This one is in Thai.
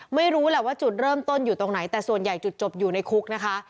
ไม่รู้แหละว่าจุดเริ่มต้นอยู่ตรงไหนแต่ส่วนใหญ่จุดจบอยู่ในคุกนะคะ